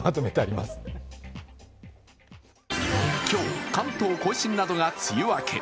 今日、関東甲信などが梅雨明け。